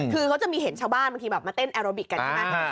คือเขาจะมีเห็นชาวบ้านบางทีแบบมาเต้นแอโรบิกกันใช่ไหม